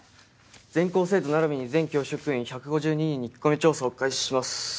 全校生徒ならびに全教職員１５２人に聞き込み調査を開始します。